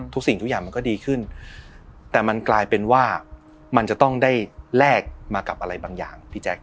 สิ่งทุกอย่างมันก็ดีขึ้นแต่มันกลายเป็นว่ามันจะต้องได้แลกมากับอะไรบางอย่างพี่แจ๊ค